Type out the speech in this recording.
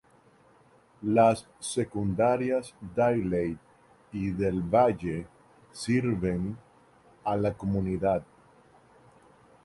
Las secundarias Dailey y Del Valle sirven a la comunidad.